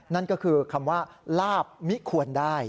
นั่นก็คือคำว่าลาบมิควรได้